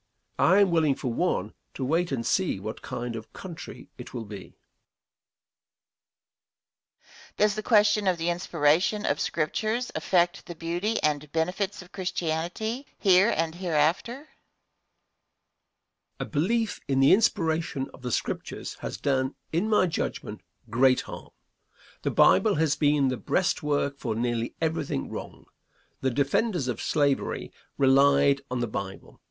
I am willing for one, to wait and see what kind of a country it will be. Question. Does the question of the inspiration of Scriptures affect the beauty and benefits of Christianity here and hereafter? Answer. A belief in the inspiration of the Scriptures has done, in my judgment, great harm. The Bible has been the breastwork for nearly everything wrong. The defenders of slavery relied on the Bible.